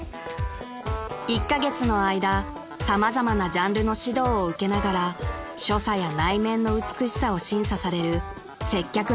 ［１カ月の間様々なジャンルの指導を受けながら所作や内面の美しさを審査される接客のプロたちの真剣勝負］